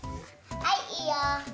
はいいいよ。